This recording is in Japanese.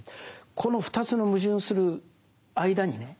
この２つの矛盾する間にね